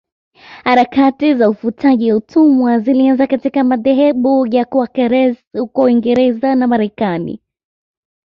Harakati za ufutaji utumwa zilianza katika madhehebu ya Quakers huko Uingereza na Marekani